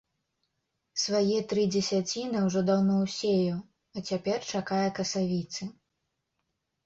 Свае тры дзесяціны ўжо даўно ўсеяў, а цяпер чакае касавіцы.